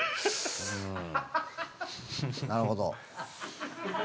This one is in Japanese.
なるほど。